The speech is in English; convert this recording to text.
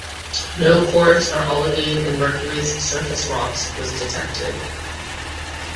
No quartz or olivine in Mercury's surface rocks was detected.